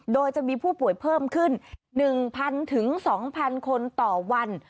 โดยจะมีผู้ป่วยเพิ่มขึ้น๑๐๐๒๐๐คนต่อวัน